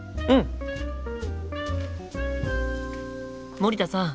森田さん。